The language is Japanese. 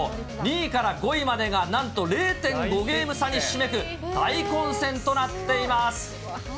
２位から５位までがなんと０．５ゲーム差にひしめく大混戦となっています。